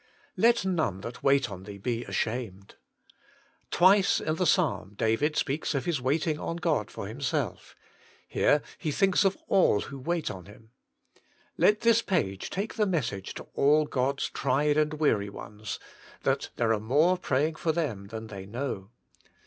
* Let none that wait on Thee be ashamed.' Twice in the psalm David speaks of his waiting on God for himself ; here he thinks of all who wait on Him. Let this page take the message to all God's tried and weary ones, that there are more praying for them than they know.